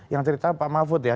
yang cerita pak mahfud ya